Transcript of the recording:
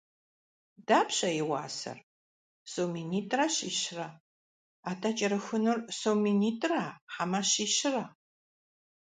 Дапщэ и уасэр? Сом минитӏрэ щищрэ. Атӏэ, кӏэрыхуныр сом минитӏра, хьэмэ щищра?